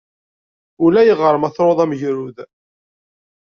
Ulayɣer ma truḍ am ugrud.